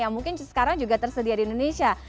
yang mungkin sekarang juga tersedia di indonesia